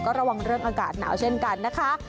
ระวังเรื่องอากาศหนาวเช่นกันนะคะ